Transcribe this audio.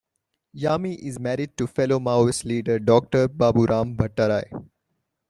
Yami is married to fellow Maoist leader Doctor Baburam Bhattarai.